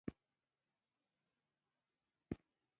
انار د افغانستان د صادراتو یوه خورا مهمه او لویه برخه ده.